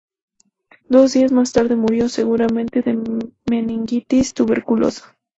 Dos días más tarde murió, seguramente de meningitis tuberculosa.